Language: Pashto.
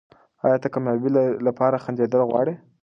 ایا ته د کامیابۍ لپاره خندېدل غواړې؟